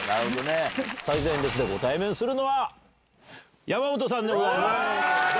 最前列でご対面するのは山本さんでございます。